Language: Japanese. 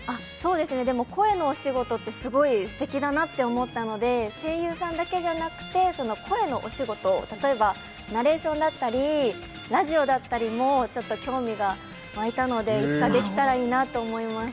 そうですね、声の仕事ってステキだなと思ったので声優さんだけじゃなくて、前のお仕事、例えばナレーションだったり、ラジオだったりもちょっと興味がわいたので、いつかできたらいいなと思います。